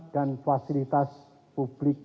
dan fasilitas publik